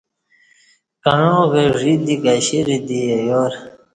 کعاں کں ژ ی دی کشییرہ دی ایار